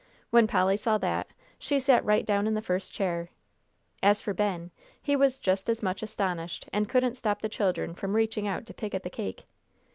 When Polly saw that, she sat right down in the first chair. As for Ben, he was just as much astonished, and couldn't stop the children from reaching out to pick at the cake.